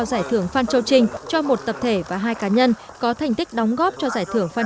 giải thưởng phan châu trinh cho một tập thể và hai cá nhân có thành tích đóng góp cho giải thưởng phan